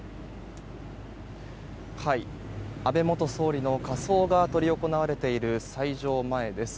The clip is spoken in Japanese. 安倍元総理の火葬が執り行われている斎場前です。